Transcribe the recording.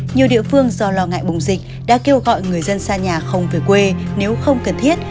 nhiều địa phương do lo ngại bùng dịch đã kêu gọi người dân xa nhà không về quê nếu không cần thiết